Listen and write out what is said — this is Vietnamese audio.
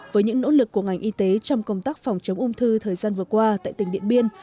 với những nỗ lực của ngành y tế trong công tác phòng chống ung thư thời gian vừa qua tại tỉnh điện biên